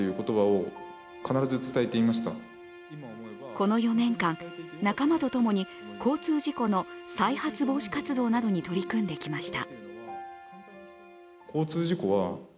この４年間、仲間とともに交通事故の再発防止活動などに取り組んできました。